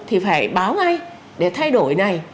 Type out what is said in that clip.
thì phải báo ngay để thay đổi này